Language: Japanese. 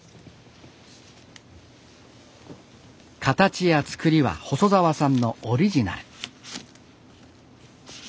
形や作りは細澤さんのオリジナル。